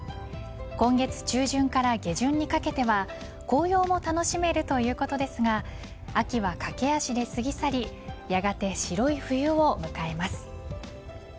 今月中旬から下旬にかけては紅葉も楽しめるということですが秋は駆け足で過ぎ去りやがて白い冬を迎えます。